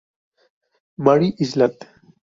Mary's Island".